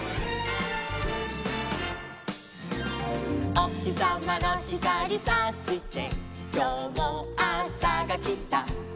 「おひさまのひかりさしてきょうもあさがきた」